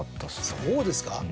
そうですか？